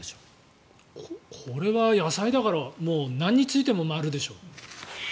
これは野菜だからもう何ついても○でしょ。